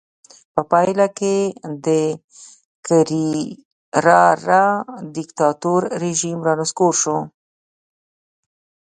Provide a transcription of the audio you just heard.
په پایله کې د کرېرارا دیکتاتور رژیم رانسکور شو.